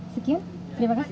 sekian terima kasih